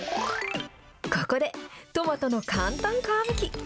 ここで、トマトの簡単皮むき。